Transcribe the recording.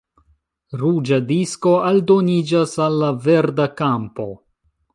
Ruĝa disko aldoniĝas al la verda kampo.